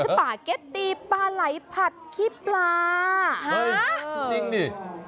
ปาเก็ตตีปลาไหลผัดขี้ปลาจริงดิ